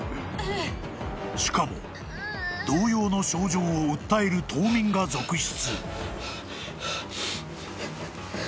［しかも同様の症状を訴える島民が続出］